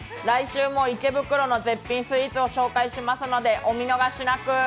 来週も池袋の絶品スイーツを紹介しますのでお見逃しなく。